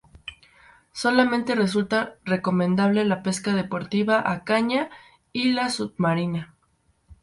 Solamente resulta recomendable la pesca deportiva a caña y la submarina.